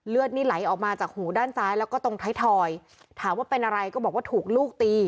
เลือดนี่ไหลออกมาจากหูด้านซ้ายแล้วก็ตรงท้ายทอยถามว่าเป็นอะไรก็บอกว่าถูกลูกตี